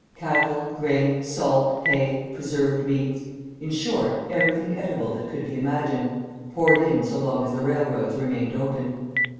Cattle, grain, salt, hay, preserved meats, in short, everything edible that could be imagined, poured in so long as the railroads remained open.